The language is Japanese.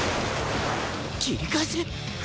切り返し！？